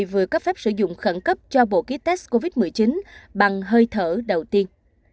vừa cấp phép sử dụng khẩn cấp cho bộ ký test covid một mươi chín bằng hơi thở đầu tiên